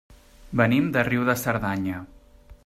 Venim de Riu de Cerdanya.